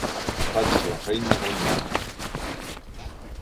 Faig la feina de l'imant.